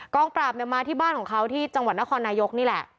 ปราบมาที่บ้านของเขาที่จังหวัดนครนายกนี่แหละ